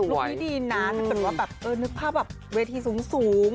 นี้ดีนะถ้าเกิดว่าแบบเออนึกภาพแบบเวทีสูง